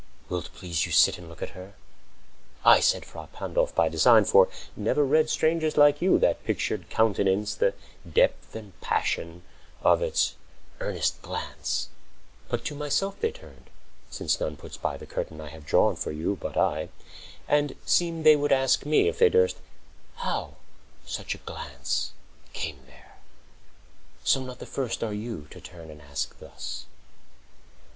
Will't please you sit and look at her? I said5 "Frà Pandolf" by design, for never read Strangers like you that pictured countenance, The depth and passion of its earnest glance, But to myself they turned (since none puts by The curtain I have drawn for you, but I)10 And seemed as they would ask me, if they durst, How such a glance came there; so, not the first Are you to turn and ask thus.